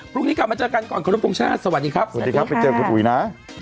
พรุ่งนี้กลับมาเจอกันก่อนขอรบทรงชาติสวัสดีครับสวัสดีครับไปเจอคุณอุ๋ยนะ